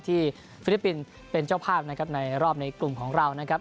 ฟิลิปปินส์เป็นเจ้าภาพนะครับในรอบในกลุ่มของเรานะครับ